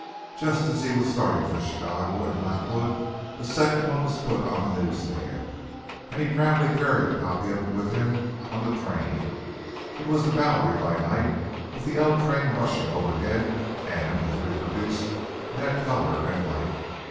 Just as he was starting for Chicago and Blackwood a second one was put on the news stand and he proudly carried a copy of it with him on the train. It was the Bowery by night, with the L train rushing overhead and, as reproduced, it had color and life.